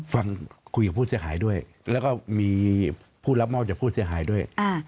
ฟังคุยกับผู้เสียหายด้วยแล้วก็มีผู้รับมอบจากผู้เสียหายด้วย